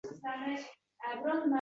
Iztirobdan irodam baland.